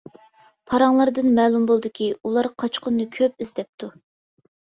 پاراڭلاردىن مەلۇم بولدىكى، ئۇلار قاچقۇننى كۆپ ئىزدەپتۇ.